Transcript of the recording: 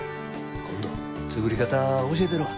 今度作り方教えたるわ。